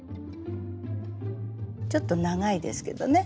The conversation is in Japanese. ちょっと長いですけどね